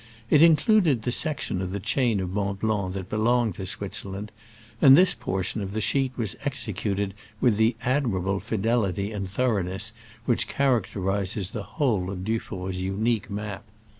It included the section of the chain of Mont Blanc that belonged to Switzerland, and this portion of the sheet was executed with the admirable fidelity and thoroughness which characterizes the whole of Du four's unique map.